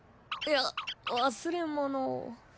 いや忘れものを。